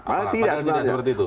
malah tidak sebenarnya